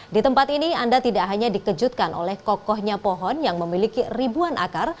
di tempat ini anda tidak hanya dikejutkan oleh kokohnya pohon yang memiliki ribuan akar